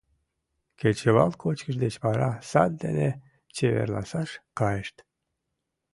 Кечывал кочкыш деч вара сад дене чеверласаш кайышт.